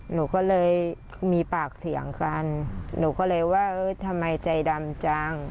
หนูก็เลยมีปากเสียงกันหนูก็เลยว่าเออทำไมใจดำจัง